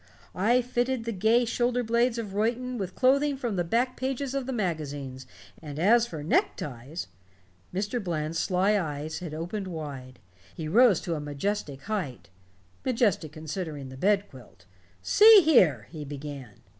I fitted the gay shoulder blades of Reuton with clothing from the back pages of the magazines, and as for neckties " Mr. Bland's sly eyes had opened wide. He rose to a majestic height majestic considering the bed quilt. "See here " he began.